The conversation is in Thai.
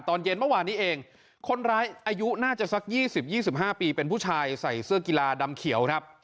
ตอนเย็นเมื่อวานนี้เองคนร้ายอายุน่าจะสัก๒๐๒๕ปีเป็นผู้ชายใส่เสื้อกีฬาดำเขียวครับ